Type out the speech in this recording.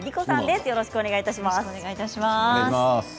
よろしくお願いします。